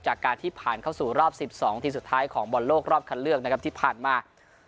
จากการที่ผ่านเข้าสู่รอบ๑๒ทีมสุดท้ายของบอลโลกรอบคันเลือกนะครับที่ผ่านมา